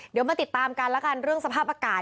เดี๋ยวมาติดตามกันแล้วกันเรื่องสภาพอากาศ